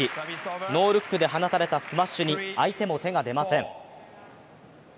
ノールックで放たれたスマッシュに相手も手が出ません。